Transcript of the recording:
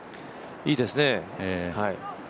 いいですね。